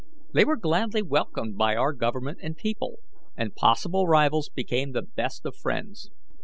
They were gladly welcomed by our Government and people, and possible rivals became the best of friends.